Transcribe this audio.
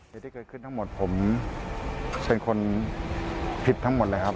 เหตุที่เกิดขึ้นทั้งหมดผมเป็นคนผิดทั้งหมดเลยครับ